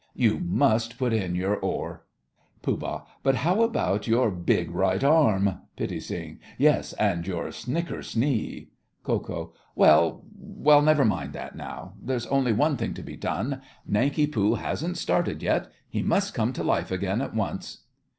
You must put in your oar! POOH. But how about your big right arm? PITTI. Yes, and your snickersnee! KO. Well, well, never mind that now. There's only one thing to be done. Nanki Poo hasn't started yet—he must come to life again at once.